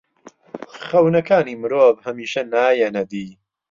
خەونەکانی مرۆڤ هەمیشە نایەنە دی.